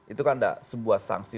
itu kan ada sebuah sanksi